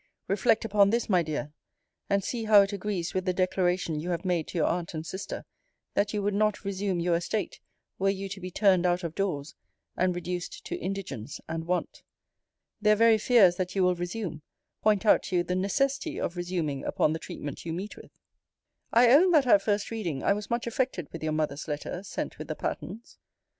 Reflect upon this, my dear, and see how it agrees with the declaration you have made to your aunt and sister, that you would not resume your estate, were you to be turned out of doors, and reduced to indigence and want. Their very fears that you will resume, point out to you the necessity of resuming upon the treatment you meet with. I own, that (at first reading) I was much affected with your mother's letter sent with the patterns.